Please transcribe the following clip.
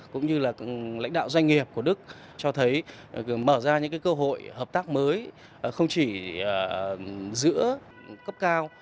cũng như là lãnh đạo doanh nghiệp của đức cho thấy mở ra những cơ hội hợp tác mới không chỉ giữa cấp cao